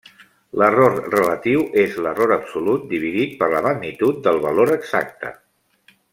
L'error relatiu és l'error absolut dividit per la magnitud del valor exacte.